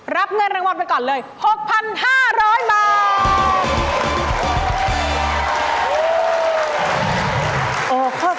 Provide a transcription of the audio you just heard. รับเงินรางวัลไปก่อนเลย๖๕๐๐บาท